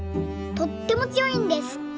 とってもつよいんです。